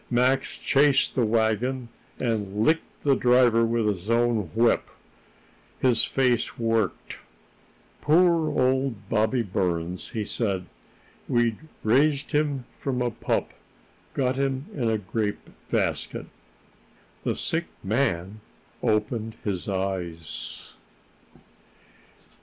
Max chased the wagon and licked the driver with his own whip." His face worked. "Poor old Bobby Burns!" he said. "We'd raised him from a pup. Got him in a grape basket." The sick man opened his eyes.